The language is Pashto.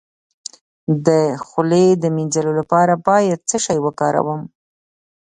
د خولې د مینځلو لپاره باید څه شی وکاروم؟